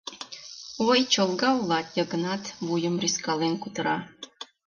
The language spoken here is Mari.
— Ой, чолга улат, Йыгнат... — вуйым рӱзкален кутыра.